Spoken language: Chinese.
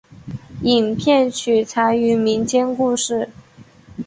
影片取材于民间故事。